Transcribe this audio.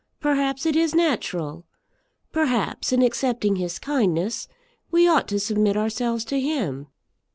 Perhaps it is natural. Perhaps, in accepting his kindness, we ought to submit ourselves to him.